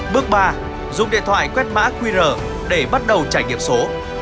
bước ba dùng điện thoại quét mã qr để bắt đầu trải nghiệm số